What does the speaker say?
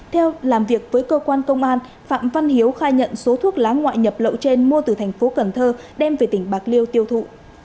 theo làm việc với cơ quan công an phạm văn hiếu khai nhận số thuốc lá ngoại nhập lậu trên mua từ thành phố cần thơ đem về tỉnh bạc liêu tiêu thụ